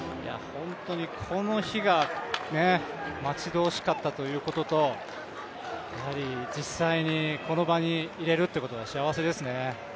本当にこの日が待ち遠しかったということとやはり実際にこの場にいれるっていうことが幸せですね。